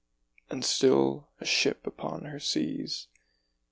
And still, a ship upon her seas.